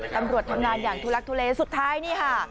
ตำรวจทำงานอย่างทุลักทุเลสุดท้ายนี่ค่ะ